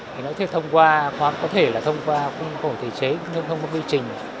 thì nó có thể thông qua có thể là thông qua quân cổ thể chế nhưng không có quy trình